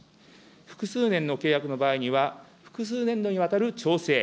複数年の契約の場合には、複数年度にわたる調整。